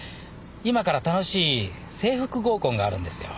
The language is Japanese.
今から楽しい制服合コンがあるんですよ。